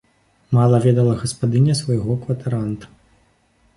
Мала ведала гаспадыня свайго кватаранта.